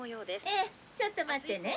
ええちょっと待ってね。